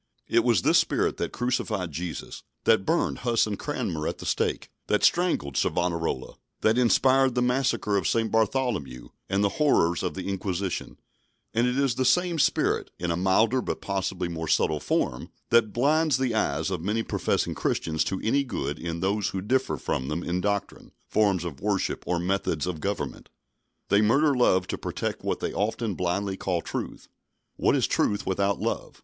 It was this spirit that crucified Jesus; that burned Huss and Cranmer at the stake; that strangled Savonarola; that inspired the massacre of St. Bartholomew and the horrors of the Inquisition; and it is the same spirit, in a milder but possibly more subtle form, that blinds the eyes of many professing Christians to any good in those who differ from them in doctrine, forms of worship or methods of government. They murder love to protect what they often blindly call truth. What is truth without love?